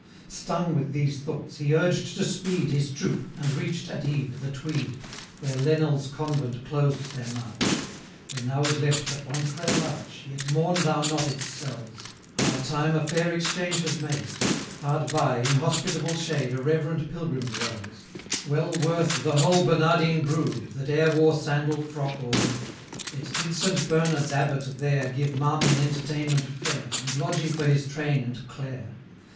Stung with these thoughts, he urged to speed His troop, and reach'd, at eve, the Tweed, Where Lennel's convent closed their march; 540 (There now is left but one frail arch, Yet mourn thou not its cells; Our time a fair exchange has made; Hard by, in hospitable shade, A reverend pilgrim dwells, 545 Well worth the whole Bernardine brood, That e'er wore sandal, frock, or hood.) Yet did Saint Bernard's Abbot there Give Marmion entertainment fair, And lodging for his train and Clare.